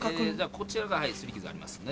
こちらが擦り傷ありますよね。